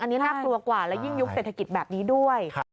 อันนี้น่ากลัวกว่าและยิ่งยุคเศรษฐกิจแบบนี้ด้วย